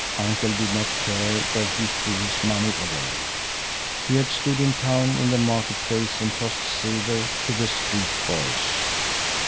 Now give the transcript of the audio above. Uncle did not care where he threw his money away. He had stood in town in the market place and tossed silver to the street boys.